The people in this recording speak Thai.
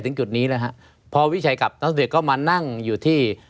ถึงจุดนี้นะพอวิไชยกลับน้าทมุดก็มานั่งอยู่ที่